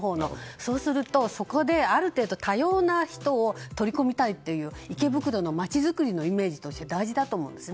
そうするとある程度多様な人を取り込みたいという池袋の街作りのイメージとして大事だと思うんです。